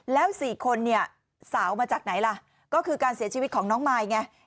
แล้ว๔คนเนี่ยสาวมาจากไหนล่ะก็คือการเสียชีวิตของน้องมายไง